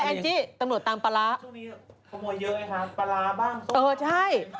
ขโมยเยอะไงครับปลาร้าบ้างซมตาวบ้างอ้อใช่